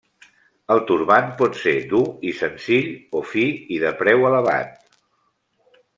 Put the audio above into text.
El turbant pot ser dur i senzill o fi i de preu elevat.